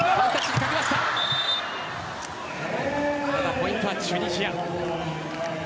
ポイントはチュニジア。